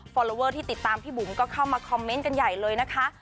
อลลอเวอร์ที่ติดตามพี่บุ๋มก็เข้ามาคอมเมนต์กันใหญ่เลยนะคะ